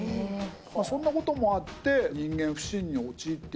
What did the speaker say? そんなこともあって人間不信に陥っていた。